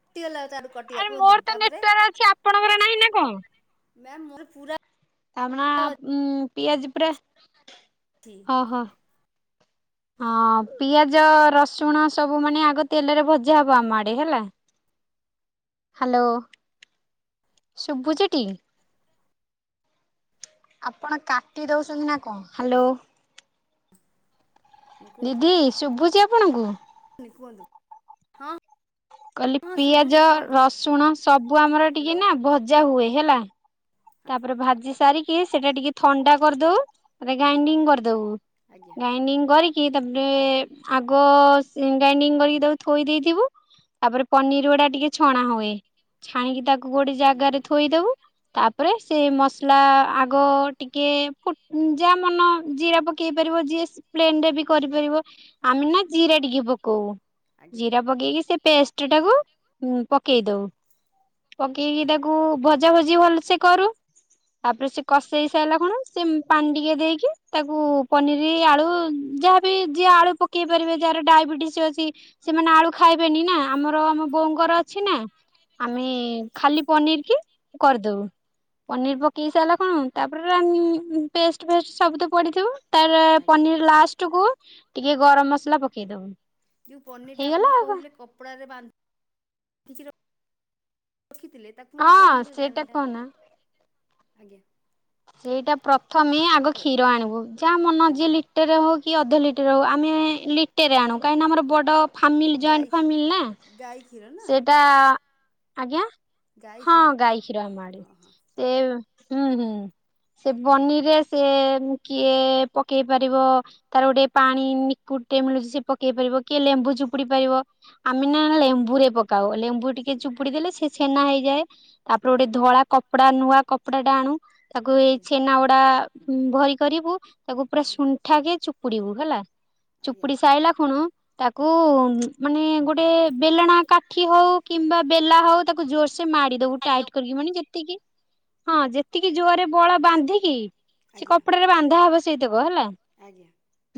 କଟିଗଲା ତାଠୁ କଟିଗଲା କୁହନ୍ତୁ ମୋର ତାପରେ ତ ଆପଣଙ୍କର ନାହିଁ ନା କଣ? ମ୍ୟା ମୋ ପୁରା ତାମ ଉ ପିଆଜ ପରେ ଅଛି ହ ହୋ। ହଁ ପିଆଜ ରସୁଣ ସବୁ ମାନେ ଆଗ ତେଲରେ ଭଜା ହବ ଆମ ଆଡେ ହେଲା। ହ୍ୟାଲୋ ଶୁଭୁ ଜେଟି ଆପଣ କାଟି ଦଉଛନ୍ତି ନା। ହ୍ୟାଲୋ। ହଁ କୁହନ୍ତୁ ଦିଦି ଶୁଭୁଛି ଆପ- ଆପଣଙ୍କୁ? କୁହନ୍ତୁ ହଁ। କହିଲି ହଁ ଶୁଭୁଛି ପିଆଜ କୁହନ୍ତୁ ରସୁଣ ସବୁ ଆମର ହ୍ୟାଲୋ ଟିକେ ନା ଭଜା ହୁଏ ହେଲା। ତାପରେ ଭାଜି ସାରିକି ସେଇଟା ଟିକେ ଥଣ୍ଡା କରିଦଉ ମନେ ଆଜ୍ଞା ଗ୍ରାଇଣ୍ଡିଙ୍ଗ କରିଦବୁ ଆଜ୍ଞା ଗାଇଣ୍ଡିଙ୍ଗ କରିକି କି ତାପରେ ଆଗ ସି ଗ୍ରାଇଡିଙ୍ଗ କରିକି ତାକୁ ଥୋଇ ଦେଇଥିବୁ ତାପରେ ପନିର ଗୁଡା ଟିକେ ଛଣା ହୁଏ ଛାଣିକି ତାକୁ ଗୋଟେ ଆଜ୍ଞା ଜାଗାରେ ହଁ ଥୋଇଦବୁ ତା ରେ ସେ ଆଜ୍ଞା ମସଲା ଆ ଆଗ ଟିକେ ଫୁ ଯାହା ମନ ଜିରା ପକେଇ ପାରିବ ଯିଏ ପ୍ଲେନ ରେ ବି କରିପାରିବ ଆମେ ନା ଜିରା ଟିକେ ପକୋ କୋଉ ଆଜ୍ଞା ଜିରା ପକେଇକି ସେ ପେଷ୍ଟ ଟି ଟାକୁ ଉଁ ପକେଇ ଦଉ ପକେଇକି ତାକୁ ଭଜା ଭଜି ଭଲ ସେ କରୁ ତାପରେ ସେ କସେଇ ହେଇସାଇଲା କଣ ସେ ପାଣି ଟିକିଏ ଦେଇକି ତାକୁ ପନିରି ଆଳୁ ଯାହା ବି ଜିଏ ଆଳୁ ପକେଇପାରିବେ ଯାହାର ଡାଇବେଟିସ୍ ଅଛି ସେମାନେ ଆଳୁ ଖା ଖାଇବେନି ନା ଆମର ଆମ ବୋଉଙ୍କର ଅଛି ଆଜ୍ଞା ନା ଆମେ ଖାଲି ପନିର କି କରିଦବୁ। ପନିରି ଆଜ୍ଞା ପକେଇ ସାରିଲା କଣ ତାପରେ ରଂରିଙ୍ଗ ପେଷ୍ଟ ଫେଷ୍ଟ ସବୁ ତ ପଡିଥିବ। ତାର ଆଜ୍ଞା ପନିର ଲାଷ୍ଟ କୁ ଟିକେ ଗରମ ଆଜ୍ଞା ମସଲା ପକେଇ ଯେଉଁ ଦବୁ ପନିରଟା ଆପଣ ହେଇଗଲା ଯେଉଁ ଆଉ କଣ। କହୁଥିଲେ କପଡ଼ାରେ ବାନ୍ଧିକି [unintelligible] ରଖିଥିଲେ ତାକୁ କଣ କରି ହଁ ମୁଁ ତ ସେଇଟା ଜାଣି ନ ରା କହନା ଆଜ୍ଞା। ସେଇଟା ପ୍ରଥମେ ଆଗ କ୍ଷୀର ଆଣିବୁ ଯାହା ମନ ଯିଏ ଆଜ୍ଞା ଲିଟରରେ ହଉ କି ଅଧ ଲିଟ ଲିଟ ହଉ ଆମେ ଲିଟେରେ ଆଣୁ କାହିଁକିନା ଆମର ବଡ଼ ଫାମିଲ ଗାଈ ଜଏଣ୍ଟ ଫାମିଲ ନା ଗାଈ କ୍ଷୀର ନା ସେଟା ଆଜ୍ଞା। ଗାଈ ହଁ କ୍ଷୀର ଗାଈ କ୍ଷୀର ହଁ ଆମ ଆଡ଼େ ହଁ ସେ ହୁଁ ହୁଁ। ସେ ଆଜ୍ଞା ପନିରରେ ସେ କିଏ ପକେଇ ପାରିବ ତାର ଗୋଟେ ପାଣିି ନିକ୍ୱୁଟ୍ ଟେ ମିଳୁଛି ସେ ପକେଇ ପାରିବ କିଏ ଲେମ୍ବୁ ଚୁପୁଡି ପାରିବ। ଆମେ ନା ଆଜ୍ଞା। ଲେମ୍ବୁରେ ପକାଉ ଲେମ୍ବୁ ଟିକେ ଆଜ୍ଞା। ଚୁପୁଡି ଦେଲେ ସେ ଛେନା ହେଇଯାଏ। ତାପରେ ଗୋଟେ ଆଜ୍ଞା ଧଳା କପ ନୂଆ କପଡା ଟା ଆଣୁ। ତାକୁ ଏଇ ଆଜ୍ଞା। ଛେନା ଗୁଡ଼ା। ହୁଁ ଭଲ କରିବୁ। ତାକୁ ପୁରା ଆଜ୍ଞା ଶୁଣ୍ଠା କେ ଚୁ ପଡ଼ିବୁ ହେଲା। ଆଜ୍ଞା ଚୁପୁଡ଼ି ସାଇଲା ଖୁଣୁ ତାକୁ ମାନେ ଗୋଟେ ବେଲଣା କାଠି ହଉ କିମ୍ବା ବେଲା ହଉ ତାକୁ ଜୋରସ ସେ ମାଡ଼ି ଦବୁ ଟାଇଟ୍ କରିକି ମାନେ ଯେତିକି ହଁ ଯେତିକି ଜୋରେ ବଳ ବାନ୍ଧିକି ଆଜ୍ଞା। ସେ ଆଜ୍ଞା କପଡାରେ ବାନ୍ଧା ହବ ସେ ସେଇତ ବ ହେଲା ଆଜ୍ଞା। ଆଜ୍ଞା।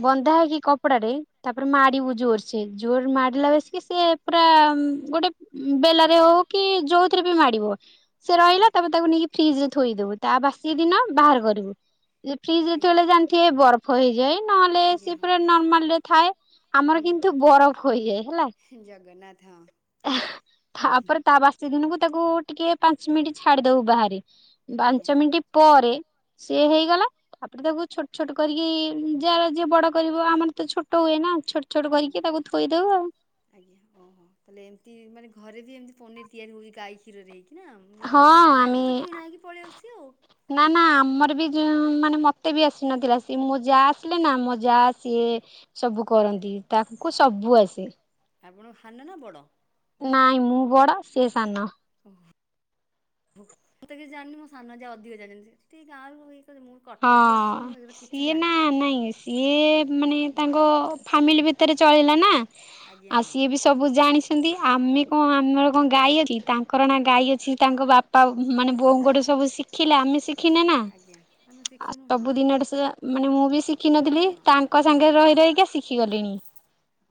ବନ୍ଧା ହେଇ କି କପଡା ରେ ତାପରେ ମାଡିିବୁ ଜୋରସେ ଜୋର ମାଡିଲା ବେଶ କି ସିଏ ପୁରା ଗୋଟେ ବେଲାରେ ହଉ କି ଯୋଉଥିରେ ବି ମାଡିବ ସେ ରହିଲା ତାପରେ ତାକୁ ନେଇକି ଫ୍ରିଜ ରେ ଥୋଇ ଦେବୁ ତା ବା ସି ଦିନ ବାହାର କରିବୁ। ଫ୍ରିଜ ଆଜ୍ଞା। ଯେତେବେଳେ ଜାଣିଥିବେ ବରଫ ହେଇଯାଏ ନହେଲେ ଆଜ୍ଞା ସେ ପୁରା ନର୍ମାଲ ରେ ଥାଏ ଆମର ହଁ। କିନ୍ତୁ ବରଫ ହେଇଯାଏ ହେଲା। ହୁଁ ଜଗନ୍ନାଥ ହଁ। ତାପରେ ତା ବାସି ଦିନକୁ ତାକୁ ଟିକେ ପାଞ୍ଚ ମିନିଟ୍ ଛାଡିଦବୁ ବାହାରେ। ଆଜ୍ଞା ପାଞ୍ଚ ମିନିଟ ପରେ ସିଏ ହେଇଗଲା ତାପରେ ତାକୁ ଛୋଟ ଛୋଟ କରିକି ଯାର ଯିଏ ବଡ କରିବ ଆମର ତ ଛୋଟ ହୁଏ ଆଜ୍ଞା ନା ଛୋଟ ଛୋଟ ହୁଁ। କରିକି ତାକୁ ଥୋଇଦଉ ଆଉ। ତି ମାନେ ଘରେ ବି ଏମତି ପନିର ତିଆରି ହେଉଛି ଗାଈ କ୍ଷୀରରେ ହେଇକି। ନା ମୁଁ ଆଉ ହଁ ଏତେ ଜାଣିନି ଆମର ଆମେ ତ କିଣା ହେଇକି ପଳେଇ ଆସୁଛି ଆଉ। ନା ନା ଆମର ବି ଯୋଉ ମାନେ ମ କେତେ ବି ଆସି ନଥିଲା ସିଏ ମୋ ଯା ଆସିଲେ ନା ମ ଯା ସିଏ ଆଜ୍ଞା ସବୁ କରନ୍ତି ତାକୁ ସବୁ ଆସେ। ଆପଣ ସାନ ନା ବଡ଼? ନାଇଁ ମୁଁ ବଡ଼ ସେ ସାନ। ମୁଁ ତ କିଛି ଜାନି ମୋ ସାନ ଯା ଅଧିକ ଜାଣିଚନ୍ତି ସେ ଠିକ ଆଉ ହଁ ସିଏ ନା ନାଇଁ ସିଏ ମାନେ ତାଙ୍କ ଙ୍କ ଫାମିଲି ଭିତରେ ଚଳିଲା ନା ଆଜ୍ଞା ଆଉ ହଁ ସିଏ ବି ସବୁ ଜାଣିସନ୍ତି ଆମେ କଣ ଆମର କଣ ଗାଈ ଅଛି ତା କରଣ ହଁ ଗାଈ ଅଛି ତାଙ୍କ ବାପା ମାନେ ବୋଉଙ୍କଠୁ ସବୁ ଶିଖିଲା ଆମେ ଶିଖ ଆଜ୍ଞା ଆମେ ଶି ଆ ସବୁଦନେ ବଶଜା ମାନେ ମୁଁ ବି ଆଉ ଶିଖିନଥିଲି ଆମର ହଁ ତାଙ୍କ ହୁଁ ସାଙ୍ଗରେ ରହି ରହିକା ଶିଖି ଗଲିଣି।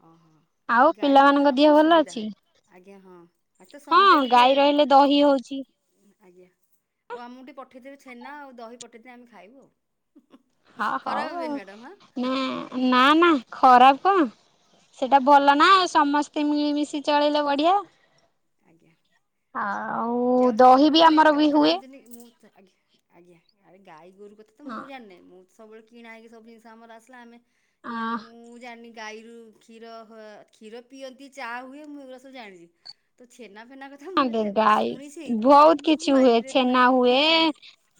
ଓହୋ। ଆଉ ଗାଈ ଯୋଉମାନେ ପିଲାମାନଙ୍କ ଦେହ ରଖିଛନ୍ତି ଭଲ ସୁବିଧା ଅଛି ଆଜ୍ଞା ହଁ ଆଜି ତ ସଣ୍ଡେ ହଁ ଟିକେ ଗାଈ ରହିଲେ ଦହି ହଉଚି। ଆଜ୍ଞା। ଓ ଆମୁକୁ ଟିକେ ପଠେଇଦେଇ ଛେନା ଆଉ ଦହି ପଟେଇଦେ ଆମେ ଖାଇବୁ ଆଉ। ହଁ ଖରାପ ହଉ ଭାବିବେନି ଆଉ ମ୍ୟାଡ଼ାମ୍ ନ ନା ନା ଖରାପ କଣ ହଁ। ସେଇଟା ଭଲ ନା ଆଉ ଓକେ ମ୍ୟାମ୍ ସମସ୍ତେ ମିଳିମିଶି ଚଳେଇଲେ ବଢ ଡିଆ ଆଜ୍ଞା। ଆଉ ଯାହା ହଉ ସ୍ତ୍ରୀ ଦହି ବି ଲୋକମାନେ ଆମର ଏତେ ବି କଥା ହୁଏ। ଜାଣିଛନ୍ତି ମୁଁ ଆଜ୍ଞା ଆଜ୍ଞା ଆରେ ଗାଈ ଗୁରୁ କଥା ତ ମୁଁ ଜାନି ମୁଁ ସବୁବେଳେ କିଣା ହୋଇକି ସବୁ ଜିନିଷ ଆମର ଆସିଲା ଆମେ ନା ମୁଁ ଜାନି ଗାଈରୁ କ୍ଷୀର କ୍ଷୀର ପିଅନ୍ତି ଚାହା ହୁଏ ମୁଁ ଏଗୁଡା ସବୁ ଜାଣିଛି। ତ ଛେ। ହ ଗାଈ ବହୁତ କିନ୍ତୁ ମୋ କିଛି ହୁଏ ମାଇଣ୍ଡରେ ଏତେ ଛେନା ନାହିଁ କି ହୁଏ ଛେନା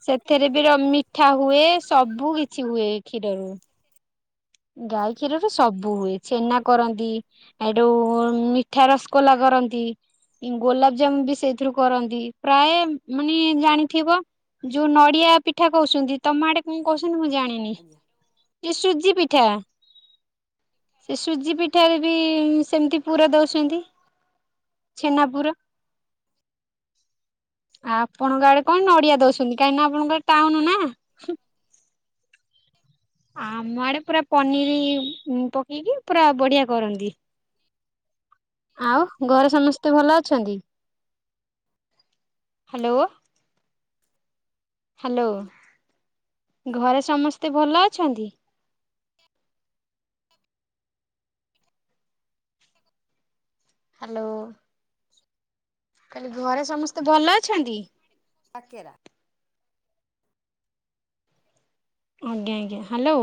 ସେଥିରେ ବି ରମି ମିଠା ହୁଏ ସବୁ କି କିଛି ହୁଏ ଖିରରୁ ଗାଈ କ୍ଷୀରରେ ସବୁ ହୁଏ ଛେନା କରନ୍ତି ଏଠୋ ମିଠା ରସଗୋଲା କରନ୍ତି ଗୋଲାପଜାମୁନ ବି ସେଇଥିରୁ କରନ୍ତି ପ୍ରାୟ ମାନେ ଜାଣିଥିବ ଯୋଉ ନଡିଆ ପିଠା କହୁଛନ୍ତି ତମ ଆଡେ କଣ କହୁ ମୁଁ ଜାଣିନି ଆଜ୍ଞା ଏ ସୁଜି ପିଠା। ସୁଜି ପିଠାରେବି ସେମିତି- ପୁରା ଆଜ୍ଞା ଦେଉଛନ୍ତି। ଛେନାପୁର। ଆପଣଙ୍କ ଆଡେ କଣ ନଡିଆ ଦଉଛନ୍ତି କାହିଁକି ନା ଆପଣଙ୍କ ଟାଉନ ନା। ଆମ ଆଡେ ପୁରା ପନିର ପକେଇକି ପୁରା ବଢିଆ କରନ୍ତି। ଆଉ ଘରେ ସମସ୍ତେ ଭଲ ଅଛନ୍ତି। ହ୍ୟାଲୋ। ହାଲୋ ଆଜ୍ଞା ଘରେ ସମସ୍ତେ ଭଲ ଅଛନ୍ତି। ହାଲୋ। କଇଲି ଘରେ ସମସ୍ତେ ଭଲ ଅଛନ୍ତି। କାକେରା। ଆଜ୍ଞା ଆଜ୍ଞା ହାଲୋ।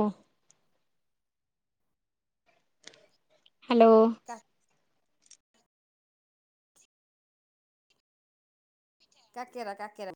ହାଲୋ। କାକେରା କାକେରା।